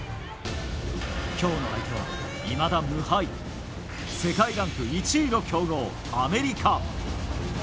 今日の相手は、いまだ無敗世界ランク１位の強豪、アメリカ。